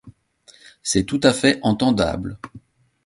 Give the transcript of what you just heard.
C'est tout à fait entendable